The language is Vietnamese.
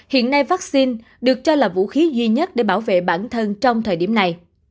hiện nay vaccine được cho là vũ khí duy nhất để bảo vệ bản thân trong thời điểm này